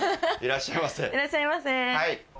いらっしゃいませ。